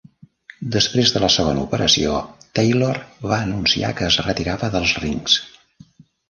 Després de la segona operació, Taylor va anunciar que es retirava dels rings.